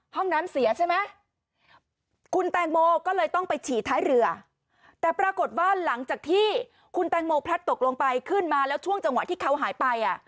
ห้องน้ำเสียใช่ไหมคุณแตงโมก็เลยต้องไปฉี่ท้ายเรือแต่ปรากฏว่าหลังจากที่คุณแตงโมพลัดตกลงไปขึ้นมาแล้วช่วงจังหวะที่เขาหายไปอ่ะ